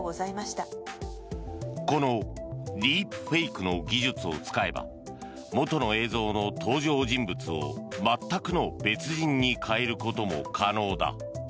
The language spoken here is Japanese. このディープフェイクの技術を使えば元の映像の登場人物を全くの別人に変えることも可能だ。